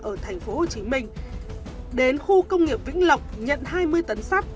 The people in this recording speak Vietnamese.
ở thành phố hồ chí minh đến khu công nghiệp vĩnh lộc nhận hai mươi tấn sắt